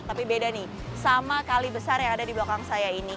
tapi beda nih sama kali besar yang ada di belakang saya ini